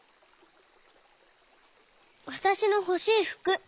「わたしのほしいふく。